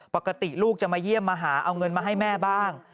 ปกติลูกจะมาเยี่ยมมาหาเอาเงินมาให้แม่บ้าง